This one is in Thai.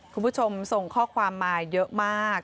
คุณผู้ชมส่งข้อความมาเยอะมาก